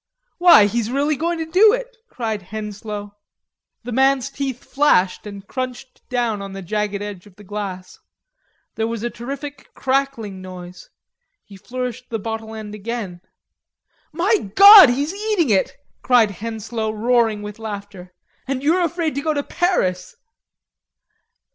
"Why, he's really going to do it," cried Henslowe. The man's teeth flashed and crunched down on the jagged edge of the glass. There was a terrific crackling noise. He flourished the bottle end again. "My God, he's eating it," cried Henslowe, roaring with laughter, "and you're afraid to go to Paris."